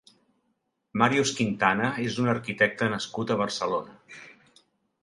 Màrius Quintana és un arquitecte nascut a Barcelona.